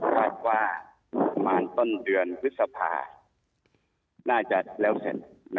แต่ว่าประมาณต้นเดือนวิทยาภาพน่าจะแล้วเสร็จ